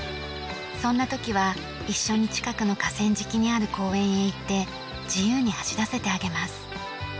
そんな時は一緒に近くの河川敷にある公園へ行って自由に走らせてあげます。